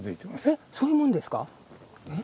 そういうもんですか？